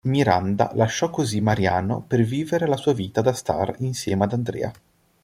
Miranda lascia così Mariano per vivere la sua vita da star insieme ad Andrea.